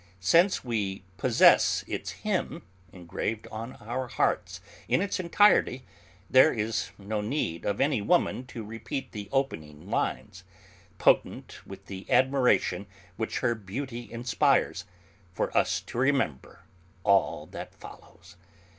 Since we possess its hymn, engraved on our hearts in its entirety, there is no need of any woman to repeat the opening lines, potent with the admiration which her beauty inspires, for us to remember all that follows.